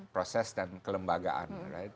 proses dan kelembagaan